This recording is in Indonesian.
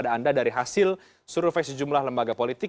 agus harimurti lima tujuh